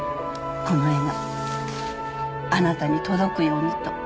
この絵があなたに届くようにと。